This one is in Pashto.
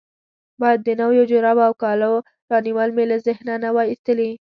باید د نویو جرابو او کالو رانیول مې له ذهنه نه وای ایستلي.